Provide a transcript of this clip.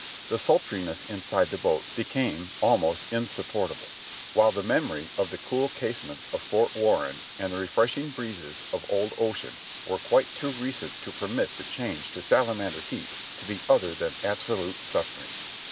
The sultriness inside the boat became almost insupportable, while the memory of the cool casemates of Fort Warren and the re freshing breezes of old Ocean were quite too recent to permit the change to salamander heat to be other than absolute suffering.